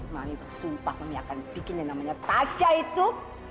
mami bersumpah mami akan bikin yang namanya tasya itu